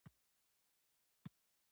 د کار په ویش کې مهم ټکي دا دي.